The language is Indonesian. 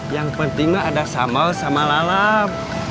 yang pentingnya ada samel sama lalam